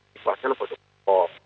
dikuasai oleh produk impor